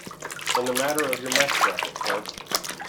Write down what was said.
In the matter of your mess-jacket, sir.